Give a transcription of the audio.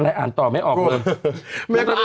มั้ยอ่านข่าวให้จบ